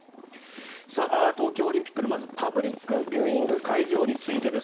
東京オリンピックのパブリックビューイング会場についてです。